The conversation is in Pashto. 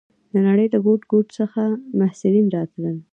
د نړۍ له ګوټ ګوټ څخه محصلین راتلل.